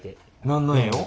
何の絵を？